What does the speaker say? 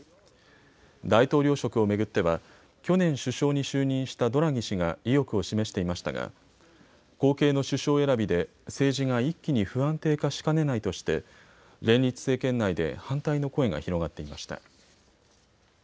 大統領職を巡っては去年、首相に就任したドラギ氏が意欲を示していましたが後継の首相選びで、政治が一気に不安定化しかねないとして、連立政権内で反対の声が広がっていました。